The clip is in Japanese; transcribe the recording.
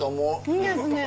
いいですね。